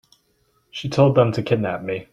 She told them to kidnap me.